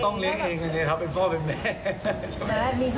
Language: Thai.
ต้องเลี้ยงเองเลยนะครับเป็นพ่อเป็นแม่